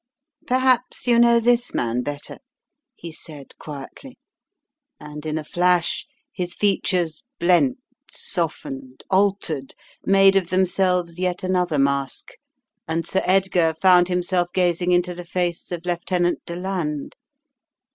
"Perhaps you know this man better," he said, quietly, and in a flash his features blent, softened, altered, made of themselves yet another mask, and Sir Edgar found himself gazing into the face of Lieutenant Deland.